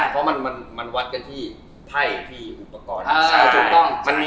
เพราะมันวัดกันที่ไพ่ที่อุปกรณ์